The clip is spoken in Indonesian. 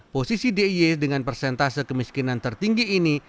posisi d i e dengan persentase kemiskinan tertinggi ini